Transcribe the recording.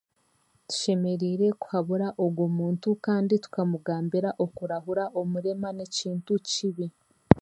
Tushemereire kuhabura ogw'omuntu kandi tukamugambira okurahura omurema n'ekintu kibi.